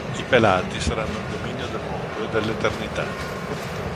I pelati saranno il dominio del mondo, e dell'eternità